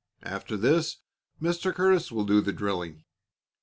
After this, Mr. Curtis will do the drilling.